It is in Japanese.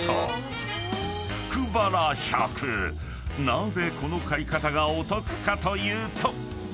［なぜこの買い方がお得かというと］